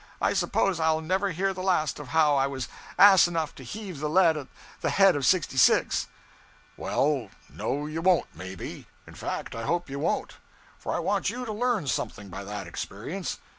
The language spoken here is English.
I suppose I'll never hear the last of how I was ass enough to heave the lead at the head of 66.' 'Well, no, you won't, maybe. In fact I hope you won't; for I want you to learn something by that experience.